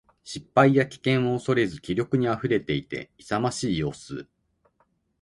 失敗や危険を恐れず気力に溢れていて、勇ましい様子。